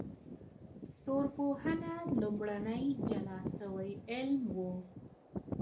ستورپوهنه لومړنی جلا سوی علم و.